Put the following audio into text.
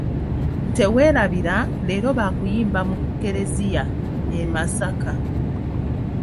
Teweerabira, leero baakuyimba mu keleziya e Masaka.